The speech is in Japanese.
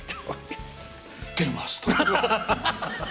出ますとも。